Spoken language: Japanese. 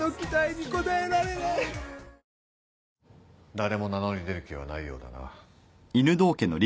誰も名乗り出る気はないようだな。